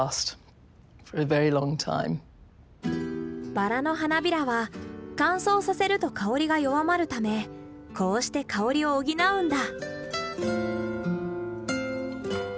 バラの花びらは乾燥させると香りが弱まるためこうして香りを補うんだ。